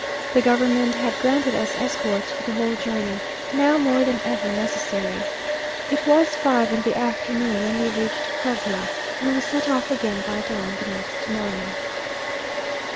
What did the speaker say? The government had granted us escorts for the whole journey, now more than ever necessary. It was five in the afternoon when we reached Puebla, and we set off again by dawn the next morning.